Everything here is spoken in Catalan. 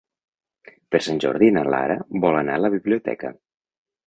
Per Sant Jordi na Lara vol anar a la biblioteca.